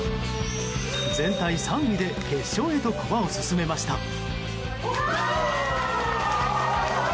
全体３位で決勝へと駒を進めました。